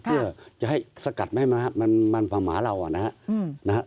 เพื่อจะให้สกัดไหมนะครับมันมาหมาเรานะครับ